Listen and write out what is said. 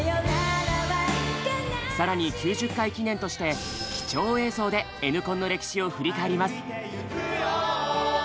更に９０回記念として貴重映像でＮコンの歴史を振り返ります。